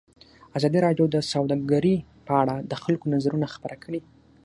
ازادي راډیو د سوداګري په اړه د خلکو نظرونه خپاره کړي.